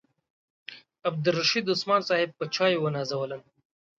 عبدالرشید عثمان صاحب په چایو ونازولم.